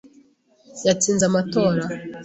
yatsinze amatora.